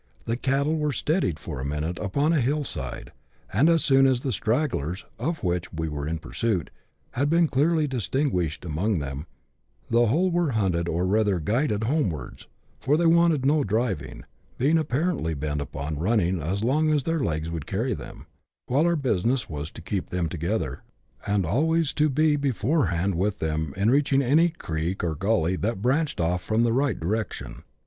The cattle were " steadied " for a minute CHAP. IX.] CHASE AND RETURN. 101 upon a hill side, and as soon as the stragglers, of which we were in pursuit, had been clearly distinguished among them, the whole were hunted or rather guided homewards, for they wanted no driving, being apparently bent upon running as long as their legs would carry them ; while our business was to keep them together, and always to be beforehand with them in reaching any creek or gully that branched off from the right direction.